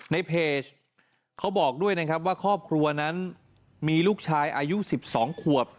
ในเพจเขาบอกด้วยนะครับว่าครอบครัวนั้นมีลูกชายอายุ๑๒ขวบ